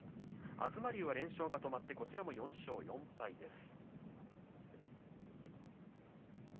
東龍は連勝が止まって４勝４敗です。